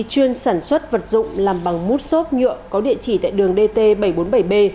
chuyên sản xuất vật dụng làm bằng mút xốp nhựa có địa chỉ tại đường dt bảy trăm bốn mươi bảy b